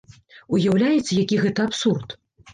Уяўляеце, які гэта абсурд?